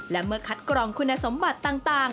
และเมื่อคัดกรองคุณสมบัติต่าง